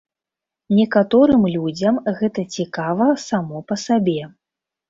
Некаторым людзям гэта цікава само па сабе.